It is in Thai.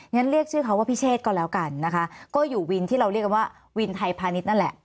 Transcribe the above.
งั้นเรียกชื่อเขาว่าพิเชษก็แล้วกันนะคะก็อยู่วินที่เราเรียกกันว่าวินไทยพาณิชย์นั่นแหละ